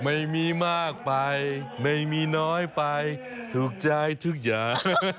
ไม่มีมากไปไม่มีน้อยไปถูกใจทุกอย่าง